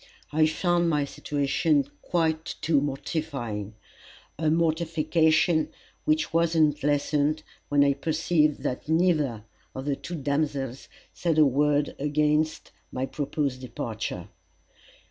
I found my situation quite too mortifying a mortification which was not lessened, when I perceived that neither of the two damsels said a word against my proposed departure.